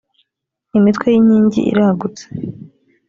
imitwe y ‘inkingi iragutse.